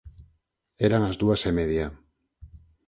Eran as dúas e media.